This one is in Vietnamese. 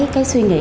cái suy nghĩ